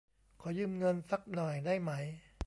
ขอยืมเงินซักหน่อยได้ไหม